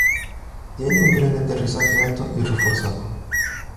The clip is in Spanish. Tiene un tren de aterrizaje alto y reforzado.